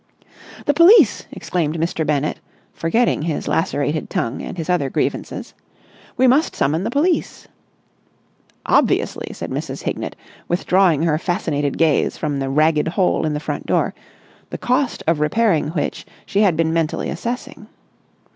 "The police!" exclaimed Mr. Bennett, forgetting his lacerated tongue and his other grievances. "We must summon the police!" "Obviously!" said Mrs. Hignett, withdrawing her fascinated gaze from the ragged hole in the front door, the cost of repairing which she had been mentally assessing.